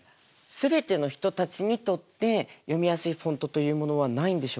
全ての人たちにとって読みやすいフォントというものはないんでしょうか？